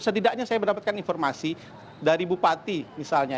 setidaknya saya mendapatkan informasi dari bupati misalnya